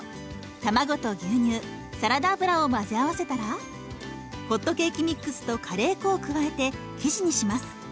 卵と牛乳サラダ油を混ぜ合わせたらホットケーキミックスとカレー粉を加えて生地にします。